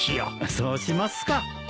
そうしますか。